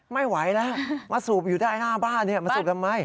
ไม่ไหวแล้วมาสูบอยู่ได้หน้าบ้านมาสูบทำไม